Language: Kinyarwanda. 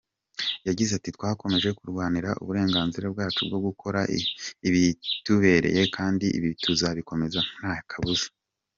Yagize ati: "Twakomeje kurwanira uburenganzira bwacu bwo gukora ikitubereye kandi ibi tuzabikomeza nta kabuza.